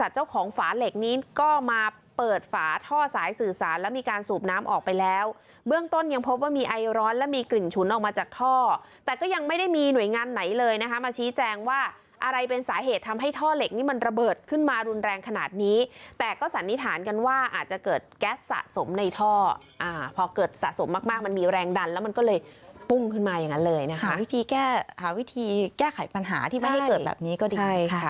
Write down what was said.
ถึงฉุนออกมาจากท่อแต่ก็ยังไม่ได้มีหน่วยงานไหนเลยนะคะมาชี้แจงว่าอะไรเป็นสาเหตุทำให้ท่อเหล็กนี่มันระเบิดขึ้นมารุนแรงขนาดนี้แต่ก็สันนิษฐานกันว่าอาจจะเกิดแก๊สสะสมในท่อพอเกิดสะสมมากมันมีแรงดันแล้วมันก็เลยปุ้งขึ้นมาอย่างนั้นเลยนะคะหาวิธีแก้หาวิธีแก้ไขปัญหาที่ไม่ให้เกิด